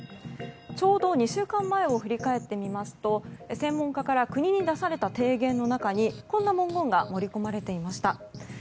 ちょうど２週間前を振り返ってみますと専門家から国に出された提言の中にこんな文言が盛り込まれていました。